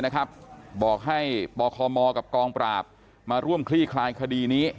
นะครับบอกให้ปปอคอมรกับกองปราบมาร่วมคลี่ขายขดีนี้